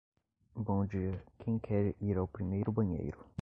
Bom dia, quem quer ir ao primeiro banheiro?